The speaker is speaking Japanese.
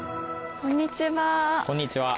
こんにちは。